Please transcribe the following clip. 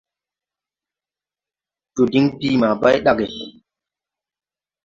Joo diŋ bìi ma bay ɗage!